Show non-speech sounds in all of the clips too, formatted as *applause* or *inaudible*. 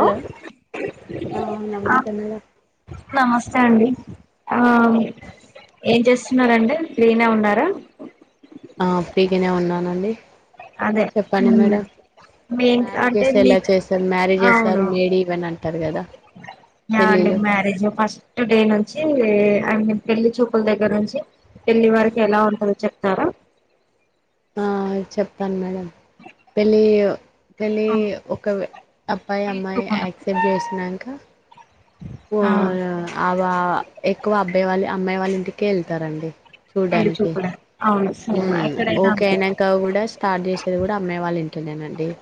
Hello ఆ ఆ నమస్తే మేడం నమస్తే అండి ఆ ఏం చేస్తున్నారండి ఫ్రీనె ఉన్నార ఆ ఫీగనే ఉన్నానండి అదే చెప్పండి హుమ్ మేడం మ్యారేజెస్ ఎలా చేస్తారు మ్యారేజెస్ మేడ్ ఈవెన్ అంటారు కదా ఆ అండి పెళ్ళిలో మ్యారేజ్ ఫస్ట్ డే నుంచి ఏం అయన్నీ పెళ్లి చూపుల దగ్గర నుంచి పెళ్ళి వరకి ఎలా ఉంటందో చెప్తారా ఆ చెప్తాను మేడం పెళ్ళి పెళ్ళీ ఆ ఒక అబ్బాయి పెళ్లి అమ్మాయి చూపులు యాక్సెప్ట్ చేసినాక ఆ ఆ ఎక్కువ అబ్బాయి వాళ్ళు అమ్మాయి వాళ్ళ ఇంటికే వెళ్తారండి పెళ్ళి చూపులా మ్ ఓకే అయినాక కూడా స్టార్ట్ చేసేది కూడా అమ్మా యి వాళ్ళ ఇంట్లోనేనండి బడి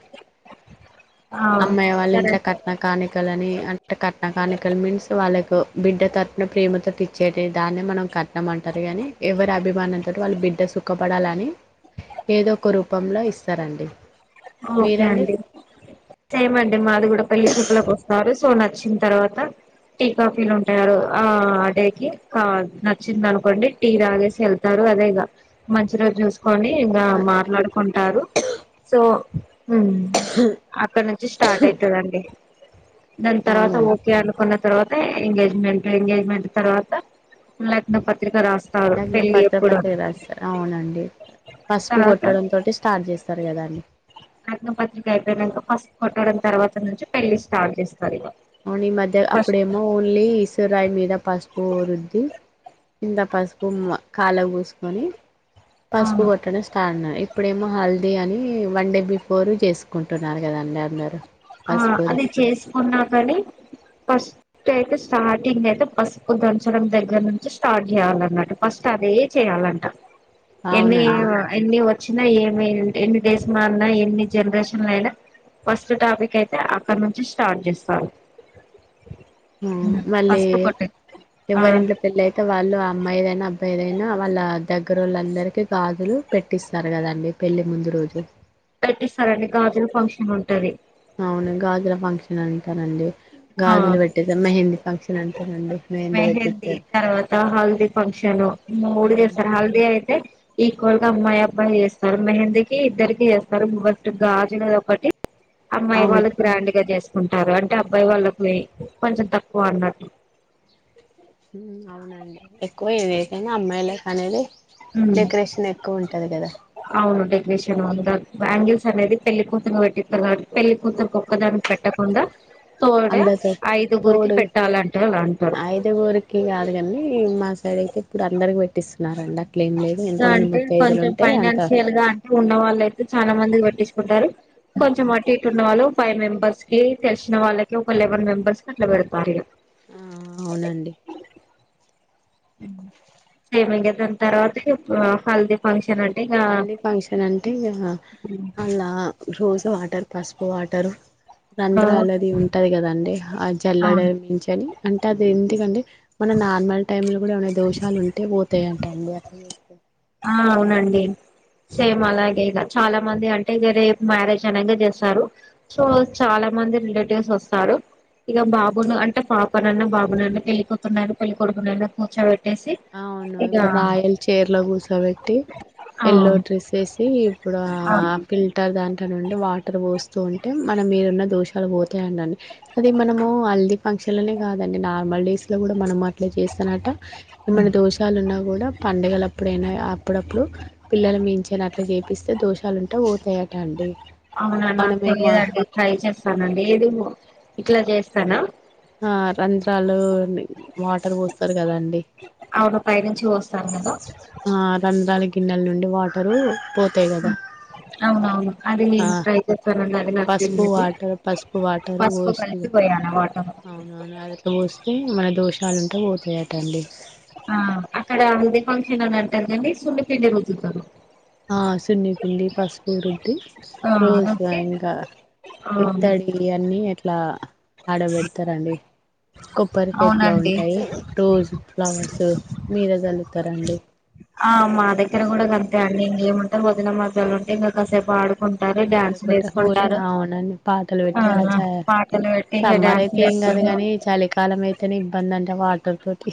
ఆ అమ్మాయి వాళ్ళ సరే ఇంట్లో కట్న కానికలు అని అంటే కట్నా కానికలు మీన్స్ వాళ్ళకు బిడ్డ తరుపున ప్రేమతో తెచ్చేట దాన్ని మనం కట్నమంటారు కానీ ఎవరి అభిమానంతో వాళ్ళు బిడ్డ సుఖపడాలని ఏదో ఒక రూపంలో ఇస్తారండి ఓకే మీరండి అండి సేమ్ అండి మాది కూడా పెళ్లి చూపులకి వస్తారు నచ్చిన తర్వాత టీ కాఫీలు ఉంటాయి ఆ రోజుకి నచ్చింది అనుకోండి టీ తాగేసి వెళ్తారు అదే ఇగ మంచి రోజు చూసుకొని ఇంగ మాట్లాడుకుంటారు సో మ్ అక్కడ నుంచి స్టార్ట్ అయితుదండి దాని తర్వాత అవునండి ఓకే అనుకున్న తర్వాత ఎంగేజ్మెంట్ ఎంగేజ్మెంట్ తర్వాత లగ్న పత్రిక రాసు లగ్న పత్ర పత్రిరాస్తార్ అవునండి పసుపు తర్వాత కొట్టడం తోటి స్టార్ట్ చేస్తారు కదా అండి లగ్నపత్రిక అయిపోయిక ఫసుపు కొట్టడం తర్వాత నుంచి పెళ్లిి స్టార్ట్ చేసింది అవును ఈ మధ్య అప్పుడేమో ఓన్లీ ఈశ్వరరాయ మీద పసుపు రుద్ది కింత పసుపు కాళకుపూసుకొని ఆ పసుపు కొట్టడం స్టార్ట్ ఇప్పుడేమో హల్దీ అని ని వన్ డే బిఫోర్ చేసుకుంటున్నారు కదండి అందరు ఆ పసుపుది అది చేసుకున్నా కాని ఫస్ట్ అయితే స్టార్టింగ్ అయితే పసుపు దంచడం దగ్గర నుంచి స్టార్ట్ చేయాలన్నట్టు ఫస్ట్ అదే చేయాలంట ఎన్ని అవునండి ఎన్ని వ చ్చిన ఏమి ఎన్ని డేస్ మారినా ఎన్ని జనరేషన్లు అయినా ఫస్ట్ టాపిక్ అయితే అక్కడ నుంచి స్టార్ట్ చేస్తారు మ్ మళ్ళీ ఫస్ట్ ఎవరింట్లో పెళ్లి అయితే వాళ్ళు ఆ అమ్మాయి ఏదైనా అబ్ బ్బాయిదైనా వాళ్ళ దగ్గర వాళ్ళ అందరికీ గాజులు పెట్టిస్తారు కదండి పెళ్లి ముందు రోజు పెట్టిస్తారు అండి గాజుల ఫంక్షన్ ఉంటది అవును గాజుల ఫంక్షన్ అంటారండి ఆ గాజులు పెట్టిస్తారు మెహందీ ఫంక్షన్ అంటరండి మెహందీ పెట్టిస్తారు తర్వాత హల్దీ ఫంక్షన్ మూడు చేస్తారు హల్ది అయితే ఈ ఇంగ అమ్మాయి అబ్బాయి చేస్తారు మెహందీకి ఇద్దరికి చేస్తారు ఫస్ట్ గాజులుఅది ఒకటి అమ్మాయి అవును వాళ్ళు గ్రాండ్ గా చేసుకుంటారు అంటే అబ్బాయి వాళ్ళు కు పోయి కొంచెం తక్కువ అన్నట్టు అవునండి ఎక్కువ ఏదితేైనా అమ్మాయిలే కానీది మ్ అవును డెకరేషన్ ఉందా బేంగిల్స్ అనేది పెళ్లి కూతురుకి పెట్టిత్తారు కాబట్టి పెళ్లికూతురు ఒక్కదానికి పెట్టకుండా తోడ అందరు తొ ఐదుగురికి తోడుగా పెట్టాలంటే అలా అంటారు ఐదుగురికి కాదు కానీ మా సైడ్ అయితే ఇప్పుడు అందరికి పెట్టిస్తున్నారండి అట్ల ఏం లేదు ఎంతమంది అంటే ముత్తైదులు కొంచెం ఉంటే అంత ఫైనాన్షియల్ గా అంటే ఉన్న వాళ్ళు అయితే చానా మందికి పెట్టించుకుంటారు కొంచెం అటు ఇటు ఉన్న వాళ్ళు ఫైవ్ మెంబర్స్ కి తెలిసిన వాళ్ళకి ఒక లెవెన్ మెంబర్స్ కి అట్లా పెడతారు ఇహ ఆ అవునండి సేమ్ ఇంగా దాని తర్వాత హల్దీ ఫంక్షన్ అంటే ఇక ఆ హెల్దీ ఫంక్షన్ అంటే ఇహ అలా రోజు వా వాటర్ పసుపు వాటర్ అవును రంధ్రాలది ఉంటది కదండి ఆ జల్లడం నుంచేని అంటే అది ఎందుకంటే మన నార్మల్ టైమ్ లో కూడా ఏమైనా దోషాలు ఉంటే పోతాయంటండి అట్లాచేస్తే ఆ అవునండి సేమ్ అలాగే ఇగ చాలా మంది అంటే ఇగ రేప్ మ్యారేజ్ అనగా చేస్తారు సో చాలా న మంది రిలేటివ్స్ వస్తారు ఇగ బాబును అంటే పాపనన్న బాబునన్న పెళ్ళి కొతున్నాను పెళ్ళిక కొడుకున్నాన్న కూర్చోబెట్ అవును ఇప్పుడు రాయల్ చీర్లకూసో పెట్టి ఆ ఎల్లో డ్రెస్ వేసి ఇప్పుడు అ ఫిల్టర్ దా డి వాటర్ పోస్తూ ఉంటే మన మీదున్న దోషాలు పోతాయండి అది మనము హల్ది ఫంక్షన్లనే కాదండి నార్మల్ డేస్ లో కూడా మనం అట్లా చేస్తానట ఏమైనా దోషాలు ఉన్నా కూడా పండుగలుప్పుడైనా అప్పుడప్పుడు పిల్లల మించెని అట్లా చేపిస్తే దోషాలు ఉంటే ఓ తయ అవునా నాకు తెలియదు అడిగి ట్రై చేస్తానండి ఏది ఇట్లా చేస్ స్తెనా ఆ రంధ్రాలు వాటర్ డ్ పోస్తారు కదాండి అవును పైనుంచి పోస్తాను కదా ఆ రంధరాల గిన్నెల నుండి వాటరు పోతాయ్ కదా అవునవును అది ఆ నేను ట్రై చేస్తానండి అది నాకు పసుపు తెలియదు వాటర్ పసుపు వాటర్ పసుపు పోసి కలిపి పోయాను వాటర్ అవునవును అదిట్లా పోస్తే మన దోషాలు ఉంటే పోతాయటండి ఆ అక్కడ హల్దీ ఫంక్షన్ అని అంటారు కానీ సున్నిపిండి రుద్దుతరు ఆ సున్ని పిండి పసుపురుద్ది ఆ రోజు రుద్ది ఇంకా ఆ ఇత్తడి అన్నిీ అట్లా ఆడబెడుతరండి కొబ్బరి టైప్ లో అవునండి ఉంటాయి రోజు ఫ్లవర్స్ మీద చళ్ళుతారండి ఆ మా దగ్గర కూడా గంతే అండి ఇంగేముంటే వదన మర్దళ్లుంటే ఉంటే ఇంగ కాసేపడ్ కుంటరు డ్యాన్స్లు ఆడొకటి హోలీ లేసుకుంటారు అవునండి పాటలు ఆ పెట్టి పాటలు పెట్టి ఇగ డ్యాన్స్ లే కాదుగాని చలి కాలం అయితేనే ఇబ్బంది అంట్ వాటర్ తోటి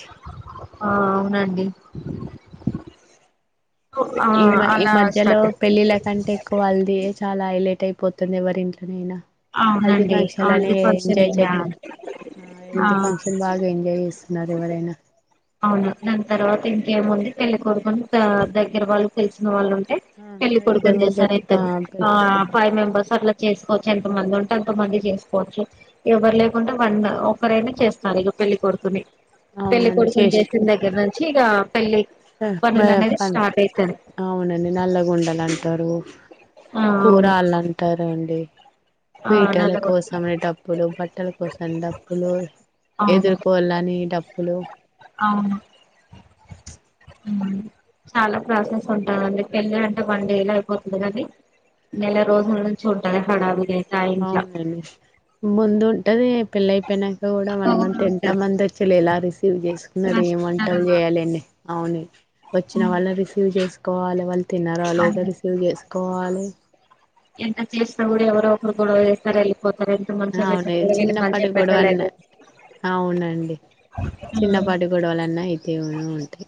ఆ అవునండి ఆ ఈ ఈ అలా మధ్యలో స్టార్ట్ పెళ్ళిళ్ళ కంటే ఎక్కువ హల్ది యే చాలా హైలైట్ అయిపోతుంది ఎవరి ఇంట్లోనైనా హల్ది అవునండి ఫంక్షన్ నే హల్ది ఫంక్షన్ ఎంజాయ్ ఇంగా చేత ఆ హల్ది ఫంక్షన్ బాగా ఎంజాయ్ చేస్ న్నరేవరైన అవును దాని తర్వాత ఇంకేముంది పెళ్లి కోరుకుొని ఆ దగ్గర వాళ్ళు తెలిసిన వాళ్ళు ఉ టే పెళ్ళలి ఆ కొడుకు ఇద్దరు ముగ్గురు చేారు ఆ ఫైవ్ మెంబస్ అట్ల చెస్ ఎంత మంది ఉంటే అంత మంది చేసుకోవచ్చు ఎవరు లేకుంటే వన్ ఒకరైనా చేస్తారు ఇగ పెళ్లి కొడుకుని పెళ్లి అవునండి కొడుకుని చేసి చేసిన దగ్గర నుంచి ఇగ పెళ్లి పనులు అనేది పని స్టార్ట్ అయితది అవునండి నల్లగుొండలు అంటారు ఆ అవును కూరళ్లు అంటారు అండి ఆ పీటల నల్లగొట్టు కోసమే డప్పులు బట్టల కోసం డప్పులు అవును ఎదుర్కోవాలని డప్పులు అవును చాలా ప్రాసెస్ ఉంటాందండి పెళ్ళి అంటే వన్ డే లఅయిపోతది కానీ నెల రోజుల నుంచి ఉంటది హడావిడై అవునండి ముందు ఉంటది పెళ్ళై అయిపోయినా కూడా వన్ అవును మంత్ ఎంత ఉంటది మంది వచ్చారు ఎలా రిసీవ్ చేసుకున్నారు ఎం నష్టనర వంటాలు చేయాలని అవును వచ్చిన వాళ్ళు న్ రిసీవ్ చేసుకోవాలి వాళ్ళు తిన్నార లేదో అవును రిసీవ్ చేస్ కోవాలే ఎంత చేసిన కూడా ఎవరో ఒకరు గొడవ చేస్తారేల్ పోతార్ ఎంత మంచిగా పెట్టిన వీళ్ళు మంచిగా పెట్టలేదని అ అవునండి చిన్నపాటి గొడవలన్ని అయితేనే ఉంటై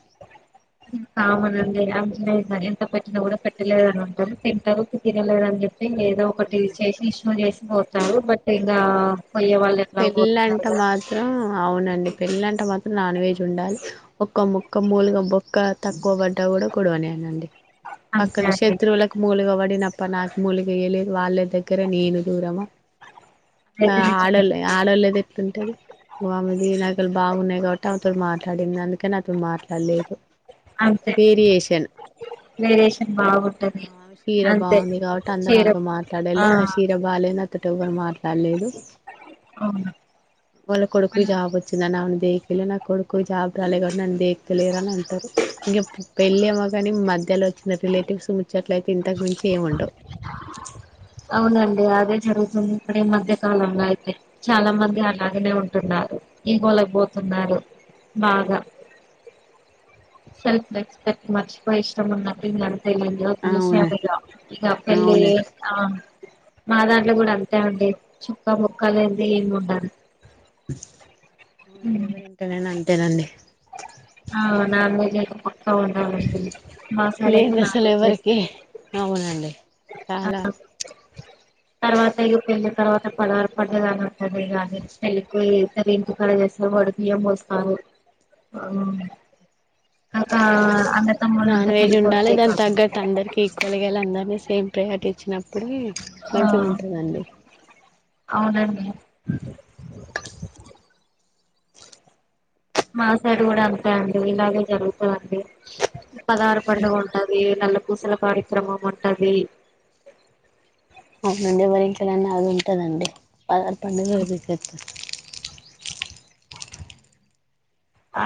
కామనండి అంచనేస్తారు నఎంత పెట్టినా కూడా పెట్టలేద అని అంటారు తింటారు తినలేదని చెప్ తె ఏదో ఒకటి అవునండి చేసి ఇష్యూ చేసి పోతారు బట్ ఇంగ పెళ్ళంటే మాత్రం అవునం పెళ్ళి అంట మాత్రం నాన్ వెజ్ ఉండాలి ఒకక్క ముక్క మూలుగా బొక్క తక్కువ బడ్డ కూడా గొడవ వే నండి అంతే పక్కన అండి శత్రువులలకు మూలీగా పడిన అప్ప నాకు మూలిగా వెయలేదు వాళ్ళ దగ్గర నేను దూరమా *unintelligible* ఆడోలది ఎట్లుంటది ఆమెది నాగలు బాగున్నాయి కాబట్టి అతోడు మాట్లాడింది అందుకని నాతోటి మాట్లాడలేదు అంతే వేరియేషన్ వేరియేషన్ బాగుంటది ఆమె చీర అంతే బాగుంది కాబట్టి అందర చీర ఆతో ఆ మాట్లాడలు నా చీర బాగాలేదు నాతోటి ఎవ్వరు మాట్లాడలేదు అవును వాళ్ళ కొడుకు కి జాబ్ వచ్చింది అ నాను దేక్కలే నా కొడుకు జాబ్ రాలే కాబట్టు నన్ను డెక్తలేదు అని అంటారు ఇంక పెళ్ళి ఏమోగాని మధ్యలో వచ్చిన రిలేటివ్స్ ముచ్చట్లయితే ఇంతకు మించి ఏం ఉండవు అవునండి అదే జరుగుతుంది ఇక్కడ ఈ మధ్య కాలంలో అయితే చాలా మంది అలాగనే ఉం ంటున్నారు ఈగొలకు పోతున్నారు బాగా సెల్ఫ్ రెస్పెక్ట్ మర్చపో ఇష్టంఉన్నట్టు ఉనర్ *unintelligible* అవునా విషం ఇక పెళ్లి అవును ఆ మా దాంట్లో కూడా అంతే అండి చుక్కా బొక్క లేనిది ఏమి ఉండద్ అవునండి ఎవరింటనేనా అంతేనండి అవునా మీది *unintelligible* అవునావుండి మాసాల అయితే లేంది నా అసలు రోజ చేస్ ఎవరికి అవునండి చాలా ఆ తర్వాత ఇక పెళ్లి తర్వాత పదహారు పండగ అని ఉంటంది కాగానీ పెళ్ళికి ఇంటి కాడ చేస్తార్ వాడిబీయం పోస్తామ్ నాన్ వెజ్ కొడుకు ఉండాలి దాని అయితాడు తగ్గట్ అందరికి ఈక్వల్గా వెళ్ళి అందరినీ సేమ్ ప్రయారిటీ ఇచ్చినప్పుడే ఆ మంచిగా ఉంటదండి అవునండి మా సైడ్ కూడా అంతే అండి ఇలాగే జరుగుతదండి పదహారు పండుగ ఉంటది నల్ల పూసల కార్యక్రమం ఉంటది అవు నుండి ఎవరి ఇంట్లోనన్న అది ఉంటదండి పదహార్ పండుగ *unintelligible* ఆ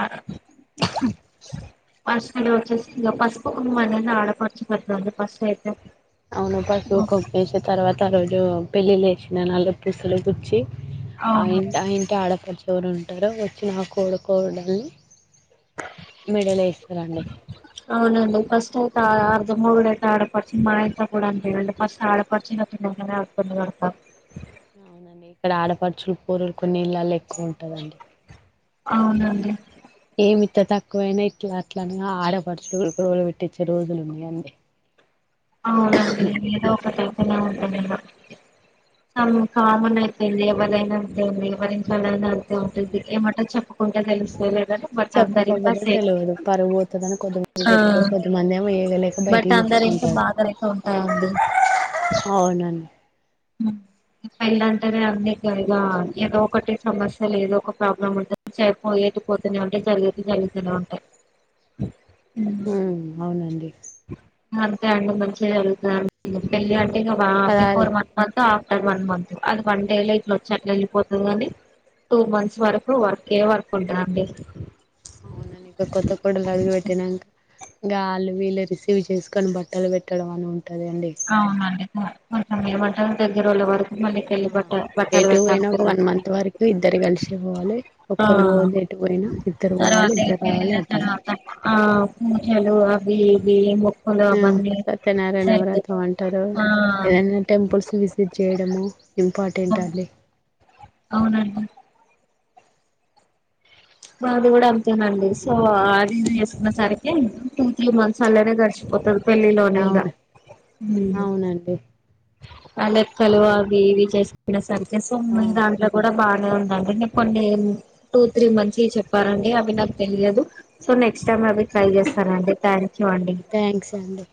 పసుపులో వచ్చేసి ఇక పసుపు కుమ్మండి ఆడపరచు పెతుంది పసుపు అయితే అవును పసుపువు కుప్పేసి తర్వాత ఆ రోజు పెళ్ళి లే వేసిన నల్ల పూసులు గుచ్చి ఆ అవును ఆ ఇంటి ఆడపడు ఎవరు ఉంటారో వచ్చి నా కోడుకోడల్ని అవునండి ఫస్ట్ యిత అర్ధ మొగుడు ఆట ఆడ పడుచు మా ఇంట్లో కూడా అంతే అండి ఫస్ట్ ఆడపడుచు *unintelligible* అవునండి ఇక్కడ ఆడపడుచులు పోరలు కొన్ని ఇళ్ళల్లో ఎక్కువ ఉంటదండి అవునండి ఏమింత తక్కువైనా ఇట్లా అట్ల అని ఆడపడుచుడు రోలు పెట్టించే రోజులు ఉన్నాయి అండి అవునండి ఏదో ఒకటి అయితానే ఉంటాయి ఇగ సమ్ కామన్ అయిపోయింది ఎవరదైనా అంతే అండి ఎవర్ ఇంట్లో నైనా అంతే ఉంటది ఏమంటె చెప్పకుంటే తెలుస్తలే చెప్పకపోద తెల్వదు పరువు పోతదని కొద్దిమంది చెప్పుకోరు కొద్దిమంది ఏమి వేయగలేక బట్ బయటికి అందరి చెప్పుకుంట ఇంట్లో బాధలు అయితే ఉంటాయండి అవునండి ఉ పెళ్ళ అంటేనే అన్నీ ఇట్ల ఇగ ఏదో ఒకటి సమస్యలు ఏదో ఒక ప్రాబ్లం ఉంటుదండి చెనీపోయే పోతూనే ఉంటాయి జరగది జరుగుతూనే ఉంటాయి హ్మ అవునండి అంతే అండి మంచిగా జరుగుతది పెళ్ళి అంటే ఇగ పదహారు before months after one month అది వన్ డే లో ఇట్లా వచ్చి అట్లా ఏళ్ళిపోతుంది కానీ టూ మంత్స్ వరకు వర్క్ ఏ వర్క్ ఉంటందండి అవునండి ఇక గాళ్ళు వీళ్ళు రిసీవ్ చేసుకొని బట్టలు పెట్టడం అని ఉన్ అవునండి కొ కొంచెం ఏమంటారు దగ్గర వాళ్ళ వరకు మళ్లి ఆ పెళ్లి బట్ట బట్టాలు ఎటు పోయినా ఒక పెట్టలి వన్ మంత్ వరకు ఇద్దరు కలిసి పోవాలి ఆ ఒక్కరు పోవద్దు ఎటు పోయినా ఇద్దరు పోవాలి తర్వాత ఈ ఇద్దరు రావాలి పెళ్ళళ్ల అంటారు తర్వాత ఆ పూజలు ఆ అవి ఇవి ముక్కులు అవన్నీ సరిపో టారు ఏదైనా టెంపుల్సు విజిట్ చేయడము ఇంపార్టెంట్ అండి. అవునండి మాది కూడా అంతేనండి సో అది ఇది చేసుకున్న సరికి టూ త్రీ మంత్స్ అల్లనే గడిచిపోతద్ పెళ్లి లోనే ఇగ అవును అవునండి ఆ లెక్కలు అలాగే అవి ఇవి చేస్ ఆ *unintelligible* దాంట్లో కూడా బాగానే ఉందండి నేన్ కొన్ని టూ త్రీ మంత్ చి చెప్పారండి అవి నాకు తెలియదు సో నెక్స్ట్ టైమ్ అవి ట్రై చేస్తానండి థ్యాంక్ యూ అండి థ్యాంక్స్ అండి